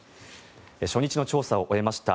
初日の調査を終えました